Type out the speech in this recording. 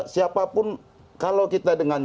siapapun kalau kita dengan